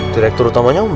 direktur utamanya madron